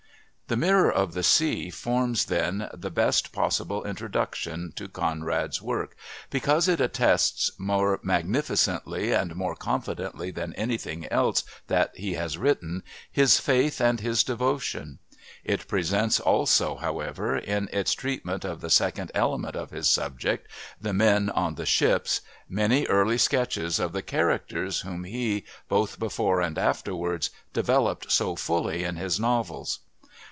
The Mirror of the Sea forms then the best possible introduction to Conrad's work, because it attests, more magnificently and more confidently than anything else that he has written, his faith and his devotion. It presents also, however, in its treatment of the second element of his subject, the men on the ships, many early sketches of the characters whom he, both before and afterwards, developed so fully in his novels.